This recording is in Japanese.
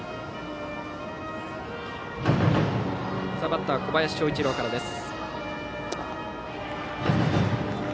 バッター、小林昇一郎からです。